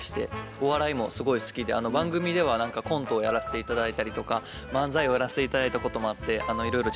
お笑いもすごい好きで番組では何かコントをやらせて頂いたりとか漫才をやらせて頂いたこともあっていろいろ挑戦させて頂いてます。